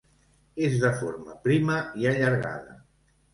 És de forma prima i allargada.